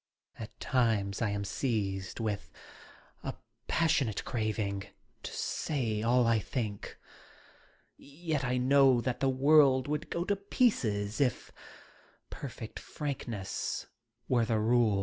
At times I am seized with a passionate craving to say all I think Yet I know that the world would go to pieces if perfect frankness were the rule.